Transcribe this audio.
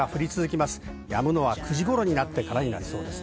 やむのは９時頃なってからになりそうです。